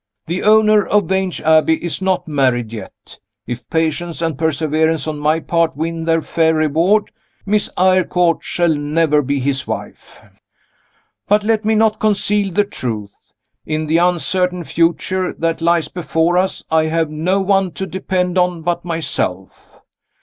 The owner of Vange Abbey is not married yet. If patience and perseverance on my part win their fair reward, Miss Eyrecourt shall never be his wife. But let me not conceal the truth. In the uncertain future that lies before us, I have no one to depend on but myself.